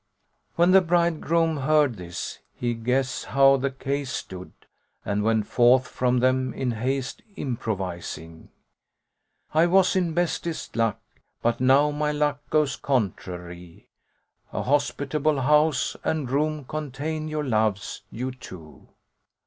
When the bridegroom heard this, he guess how the case stood and went forth from them in hast improvising, "I was in bestest luck, but now my luck goes contrary: * A hospitable house and room contain your loves, you two!"